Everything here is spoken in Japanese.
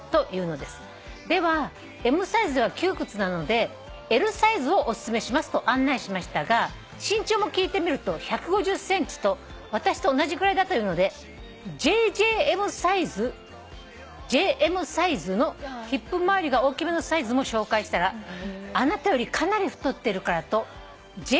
「ではＭサイズでは窮屈なのでＬサイズをおすすめしますと案内しましたが身長も聞いてみると１５０ｃｍと私と同じぐらいだというのでＪＪＭサイズＪＭサイズのヒップまわりが大きめのサイズも紹介したらあなたよりかなり太ってるからとＪＪＭサイズの」